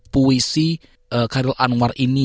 puisi karyl anwar ini